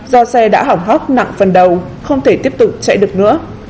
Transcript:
do xe đã hỏng hóc nặng phần đầu không thể tiếp tục chạy được nữa